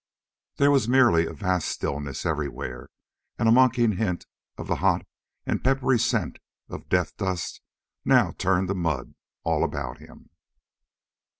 There was merely a vast stillness everywhere, and a mocking hint of the hot and peppery scent of death dust now turned to mud all about him.